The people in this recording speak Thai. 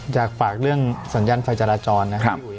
อยากฝากเรื่องสัญญาณไฟจราจรนะครับพี่อุ๋ย